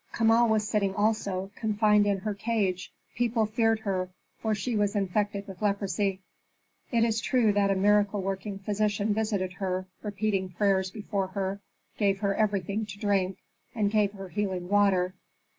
Kama was sitting, also, confined in her cage; people feared her, for she was infected with leprosy. It is true that a miracle working physician visited her, repeated prayers before her, gave her everything to drink, and gave her healing water.